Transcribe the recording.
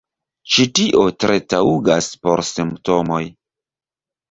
Ĉi tio tre taŭgas por Simptomoj.